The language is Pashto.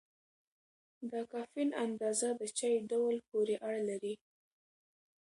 د کافین اندازه د چای ډول پورې اړه لري.